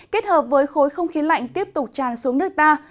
kết hợp với khối không khí lạnh tiếp tục tràn xuống nước ta